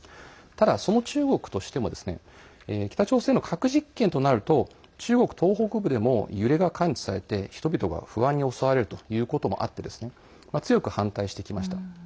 ただ、その中国としても北朝鮮の核実験となると中国東北部でも揺れが感知されて人々が不安に襲われるということもあって強く反対してきました。